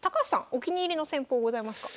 お気に入りの戦法ございますか？